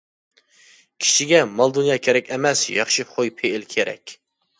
-كىشىگە مال دۇنيا كېرەك ئەمەس، ياخشى خۇي پېئىل كېرەك.